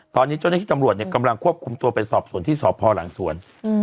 ตอนนี้เจ้าหน้าที่ตำรวจเนี่ยกำลังควบคุมตัวไปสอบส่วนที่สพหลังสวน